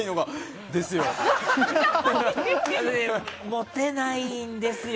モテないんですよ。